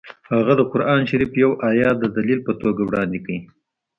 هغه د قران شریف یو ایت د دلیل په توګه وړاندې کړ